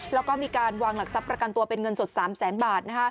แล้วก็มีการวางหลักทรัพย์ประกันตัวเป็นเงินสด๓แสนบาท